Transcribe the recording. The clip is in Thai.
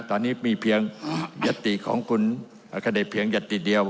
ตอนนี้มีเพียงยัตติของคุณอัคเดชเพียงยัตติเดียว